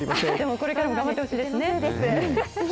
これからも頑張ってほしいですね。